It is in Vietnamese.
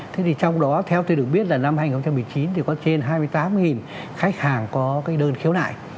thế thì trong đó theo tôi được biết là năm hai nghìn một mươi chín thì có trên hai mươi tám khách hàng có cái đơn khiếu nại